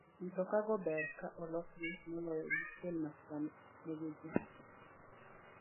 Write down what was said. Mtoka go ber ka olosgi moloyo gikel masira ma nego ji.